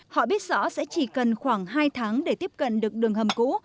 họ biết rõ sẽ chỉ cần khoảng hai tháng để tiếp cận được đường hầm cũ